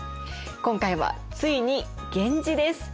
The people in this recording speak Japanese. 今回はついに源氏です。